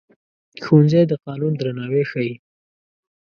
ښوونځی د قانون درناوی ښيي